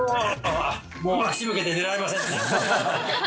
足向けて寝られません。